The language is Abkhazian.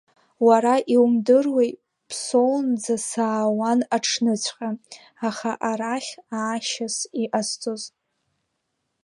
Уара иумдыруеи, Ԥсоунӡа саауан аҽныҵәҟьа, аха арахь аашьас иҟасҵоз.